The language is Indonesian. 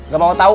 gak mau tahu